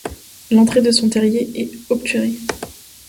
L'entrée de son terrier est obturée.